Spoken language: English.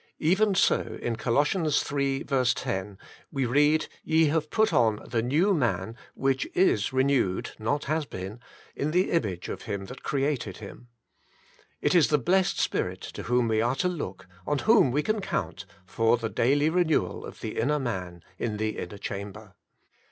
Even so in Colossians iii. 10 we read, "ye have put on the new man, which is renewed [not, has been] in the image of Him that created him.^' It is the blessed Spirit to whom we are to look, on whom we can count, for the daily renewal of the inner man in the inner chamber.